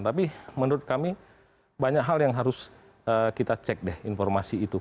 tapi menurut kami banyak hal yang harus kita cek deh informasi itu